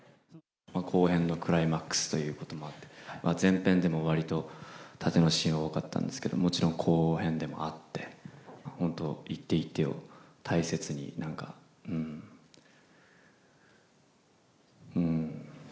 後編のクライマックスということもあって、前編でもわりと、タテのシーン多かったんですけど、もちろん後編でもあって、本当、一手一手を大切になんか、うん、うん。